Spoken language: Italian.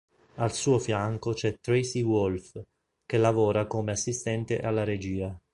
Al suo fianco c'è Tracey Wolfe, che lavora come assistente alla regia.